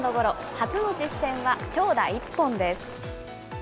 初の実戦は長打１本です。